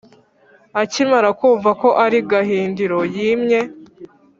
Akimara kumva ko ari Gahindiro wimye